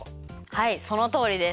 はいそのとおりです。